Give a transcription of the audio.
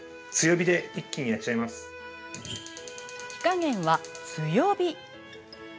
火加減は強火。